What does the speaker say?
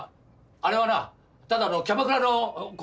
あれはなただのキャバクラの子。